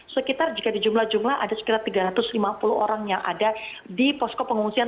sekitar jika di jumlah jumlah ada sekitar tiga ratus lima puluh orang yang ada di posko pengungsian